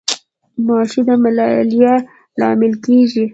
ماشي د ملاریا لامل کیږي